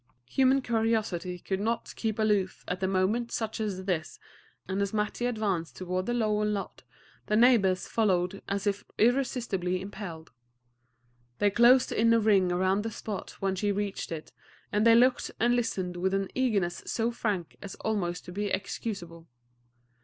Human curiosity could not keep aloof at a moment such as this, and as Mattie advanced toward the Lovell lot, the neighbors followed as if irresistibly impelled. They closed in a ring around the spot when she reached it, and they looked and listened with an eagerness so frank as almost to be excusable.